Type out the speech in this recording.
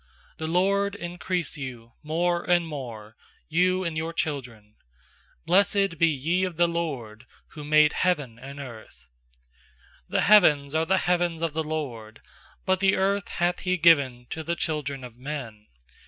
I4The LORD increase you more and more, You and your children. lfiBIessed be ye of the LORD, Who made heaven and earth. 16The heavens are the heavens of the LORD: But the earth hath He given to th< children of men.